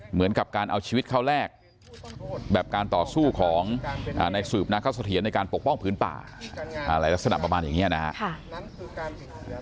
เหมือนกับการเอาชีวิตเขาแลกแบบการต่อสู้ของในสืบนาเข้าเสถียรในการปกป้องพื้นป่าอะไรลักษณะประมาณอย่างนี้นะครับ